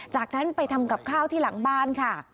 จากนั้นไปทำกับข้าวที่หลังบ้านค่ะ